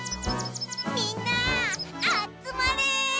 みんなあつまれ！